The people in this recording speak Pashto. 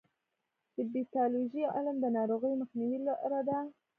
د پیتالوژي علم د ناروغیو د مخنیوي لاره ده.